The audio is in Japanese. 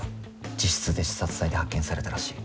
自室で刺殺体で発見されたらしい。